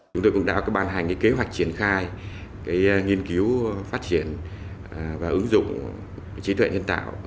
chúng tôi cũng đã ban hành kế hoạch triển khai nghiên cứu phát triển và ứng dụng trí tuệ nhân tạo